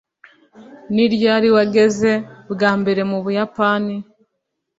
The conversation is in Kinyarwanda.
ni ryari wageze bwa mbere mu buyapani